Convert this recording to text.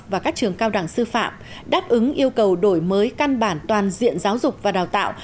và các trường cao đẳng sư phạm đáp ứng yêu cầu đổi mới căn bản toàn diện giáo dục và đào tạo